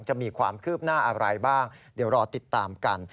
จะมีความคืบหน้าอะไรบ้างเดี๋ยวรอติดตามกัน